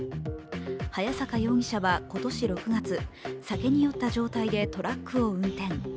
早坂容疑者は今年６月、酒に酔った状態でトラックを運転。